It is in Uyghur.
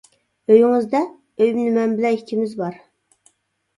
-ئۆيىڭىزدە! ؟ -ئۆيۈمدە مەن بىلەن ئىككىمىز بار.